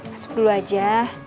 masuk dulu aja